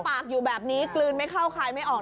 ปากอยู่แบบนี้กลืนไม่เข้าคายไม่ออก